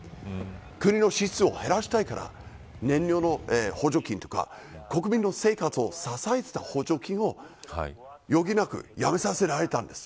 国の支出を減らしたいから燃料の補助金とか国民の生活を支えてきた補助金を余儀なくやめさせられたんです。